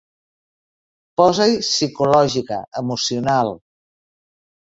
Posa-hi psicològica, emocional...